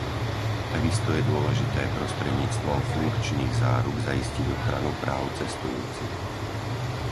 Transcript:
Takisto je dôležité prostredníctvom funkčných záruk zaistiť ochranu práv cestujúcich.